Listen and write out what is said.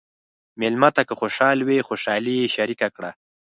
مېلمه ته که خوشحال وي، خوشالي یې شریکه کړه.